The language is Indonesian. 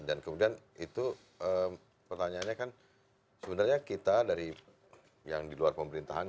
dan kemudian itu pertanyaannya kan sebenarnya kita dari yang di luar pemerintahan